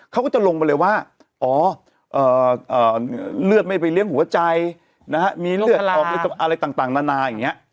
เขาก็จะลงมาเลยว่าอ๋อเลือดไม่ไปเลี้ยงหัวใจมีเลือดออกอะไรต่างนานาอย่างนี้